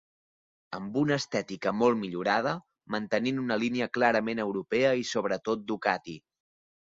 Amb una estètica molt millorada, mantenint una línia clarament europea i sobretot Ducati.